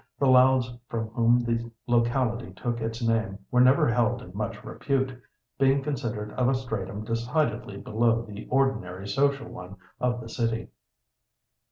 The Louds from whom the locality took its name were never held in much repute, being considered of a stratum decidedly below the ordinary social one of the city.